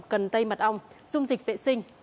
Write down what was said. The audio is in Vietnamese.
cần tây mặt ong dung dịch vệ sinh